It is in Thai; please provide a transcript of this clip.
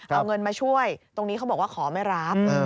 เอาเงินมาช่วยตรงนี้เขาบอกว่าขอไม่รับ